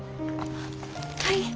はい。